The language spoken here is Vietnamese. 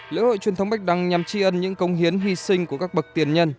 lễ hội truyền thống bạch đăng nhằm tri ân những công hiến hy sinh của các bậc tiền nhân